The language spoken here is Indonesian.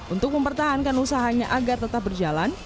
untuk mempertahankan usahanya agar tetap berjalan